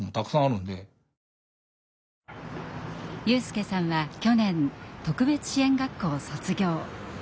友祐さんは去年特別支援学校を卒業。